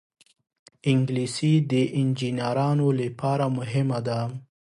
انګلیسي د انجینرانو لپاره مهمه ده